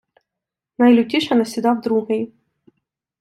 Найлютіше насідав Другий.